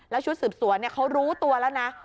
แล้วชุดสืบสวนเขารู้ตัวแล้วนะ